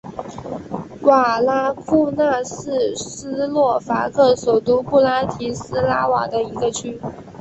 瓦拉库纳是斯洛伐克首都布拉提斯拉瓦的一个区。